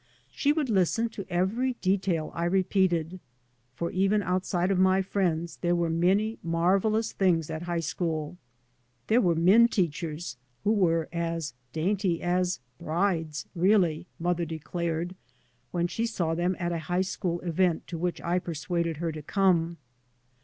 She would listen to every detail I repeated. For even outside of my friends there were many marvellous things at high school. There were men teachers who were as dainty " as hrides,. really," mother declared when she saw them at a high school event to which I persuaded her to come.